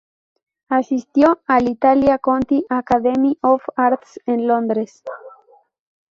Asistió al "Italia Conti Academy of Arts" en Londres.